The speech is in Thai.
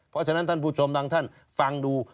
เพราะฉะนั้นท่านผู้ชมบางท่านฟังดู